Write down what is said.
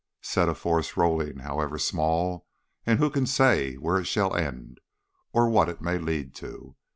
Set a force rolling, however small; and who can say where it shall end, or what it may lead to!